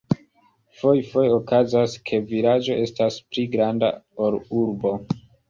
Fojfoje okazas, ke vilaĝo estas pli granda ol urbo.